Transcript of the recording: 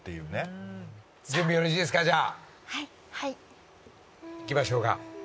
いきましょうか。